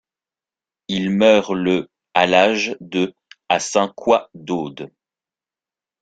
Il meurt le à l'âge de à Saint-Couat-d'Aude.